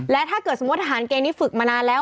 และถ้าเกิดสมมุติทหารเกณฑ์นี้ฝึกมานานแล้ว